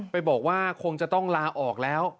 ไปบอกว่าคงจะต้องลาออกแล้ว